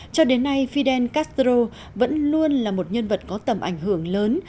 cho đến nay fidel castro vẫn luôn là một nhân vật có tầm ảnh hưởng lớn